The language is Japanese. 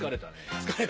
疲れた？